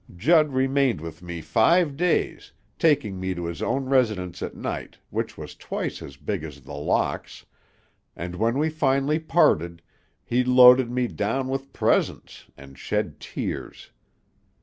Judd remained with me five days, taking me to his own residence at night, which was twice as big as The Locks, and when we finally parted, he loaded me down with presents, and shed tears.